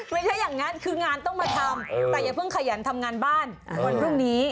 ไม่ใช่อย่างนั้นคืองานต้องมาทำแต่อย่าเพิ่งขยันทำงานบ้านวันพรุ่งนี้